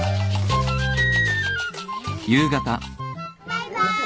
バイバーイ。